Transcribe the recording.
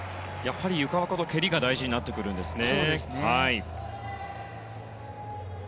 ゆかは蹴りが大事になってくるんですね。